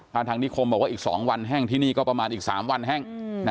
ถ้าทางนิคมบอกว่าอีก๒วันแห้งที่นี่ก็ประมาณอีก๓วันแห้ง